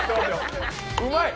うまい！